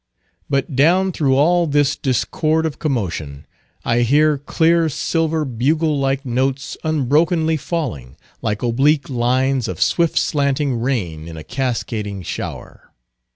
But down through all this discord of commotion, I hear clear, silver, bugle like notes unbrokenly falling, like oblique lines of swift slanting rain in a cascading shower.